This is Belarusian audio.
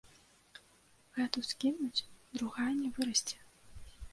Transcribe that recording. Гэту скінуць, другая не вырасце!